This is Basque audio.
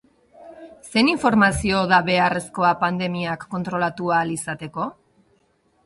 Zein informazio da beharrezkoa pandemiak kontrlatu ahal izateko?